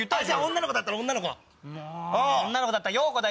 女の子だったら陽子だ。